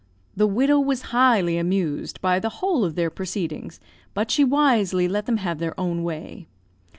The widow was highly amused by the whole of their proceedings, but she wisely let them have their own way.